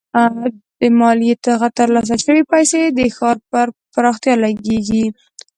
د مالیې څخه ترلاسه شوي پیسې د ښار پر پراختیا لګیږي.